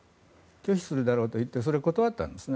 拒否するだろうと言ってそれを断ったんですね。